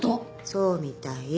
そうみたい。